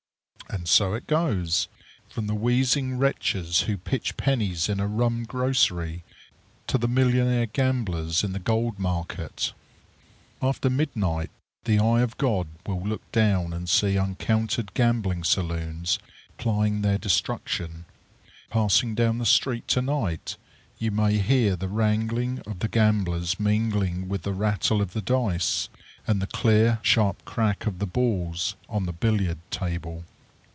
And so it goes, from the wheezing wretches who pitch pennies in a rum grocery, to the millionnaire gamblers in the gold market. After midnight the eye of God will look down and see uncounted gambling saloons plying their destruction. Passing down the street to night, you may hear the wrangling of the gamblers mingling with the rattle of the dice, and the clear, sharp crack of the balls on the billiard table.